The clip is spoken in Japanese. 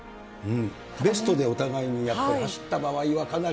ベストでお互いにやっぱり走った場合は、かなり。